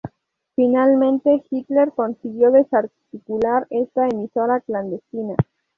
Finalmente, Hitler consiguió desarticular esta emisora clandestina.